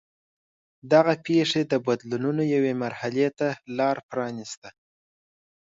دغه پېښې د بدلونونو یوې مرحلې ته لار پرانېسته.